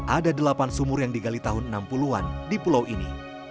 ada delapan sumur yang digali tahun enam puluh an di pulau ini